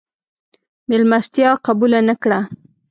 مېلمستیا قبوله نه کړه.